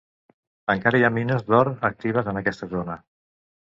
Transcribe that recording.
Encara hi ha mines d'or actives en aquesta zona.